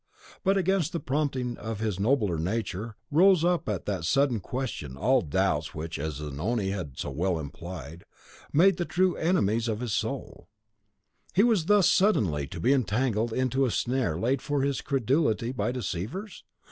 But against the prompting of his nobler nature rose up at that sudden question all those doubts which, as Zanoni had so well implied, made the true enemies of his soul. Was he thus suddenly to be entangled into a snare laid for his credulity by deceivers?